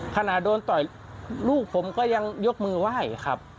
ขณะโดนต่อยลูกผมก็ยังยกมือไหว้ครับ